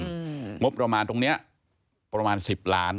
งบประมาณตรงนี้ประมาณ๑๐ล้าน